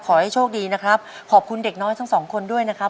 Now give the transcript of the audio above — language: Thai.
ขอให้โชคดีนะครับขอบคุณเด็กน้อยทั้งสองคนด้วยนะครับ